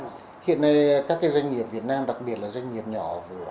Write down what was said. hiện nay các doanh nghiệp việt nam đặc biệt là doanh nghiệp nhỏ vừa